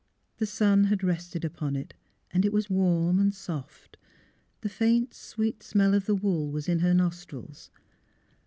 The sun had rested upon it and it was warm and soft; the faint sweet smell of the wool was in her nostrils.